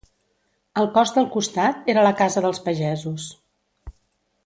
El cos del costat era la casa dels pagesos.